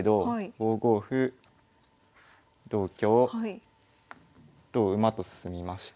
５五歩同香同馬と進みまして。